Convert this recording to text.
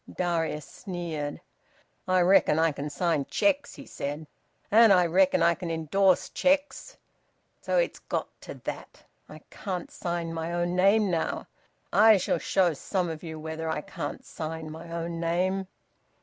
Darius sneered. "I reckon I can sign cheques," he said. "And I reckon I can endorse cheques... So it's got to that! I can't sign my own name now. I shall show some of you whether I can't sign my own name!"